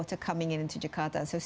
panggung laut itu penting di sana